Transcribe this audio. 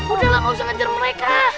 udah lah gak usah ngejar mereka